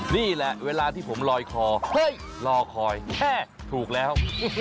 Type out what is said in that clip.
นี่แหละเวลาที่ผมลอยคอเฮ้ยรอคอยถูกแล้ว